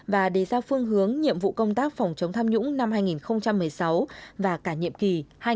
và đề ra phương hướng nhiệm vụ công tác phòng chống tham nhũng năm hai nghìn một mươi sáu và cả nhiệm kỳ hai nghìn một mươi năm hai nghìn hai mươi năm